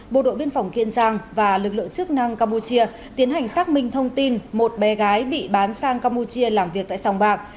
bộ đội biên phòng kiên giang và lực lượng chức năng campuchia tiến hành xác minh thông tin một bé gái bị bán sang campuchia làm việc tại sòng bạc